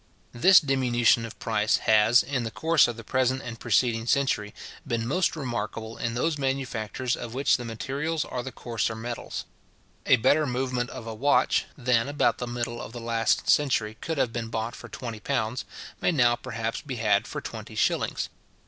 This diminution of price has, in the course of the present and preceding century, been most remarkable in those manufactures of which the materials are the coarser metals. A better movement of a watch, than about the middle of the last century could have been bought for twenty pounds, may now perhaps be had for twenty shillings.